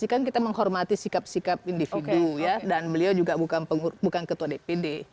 kan kita menghormati sikap sikap individu ya dan beliau juga bukan ketua dpd